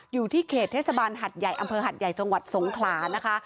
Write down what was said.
อยู่ที่เขตเทศบาลหัดใหญ่อำเภอหัดใหญ่จังหวัดสงขลานะคะ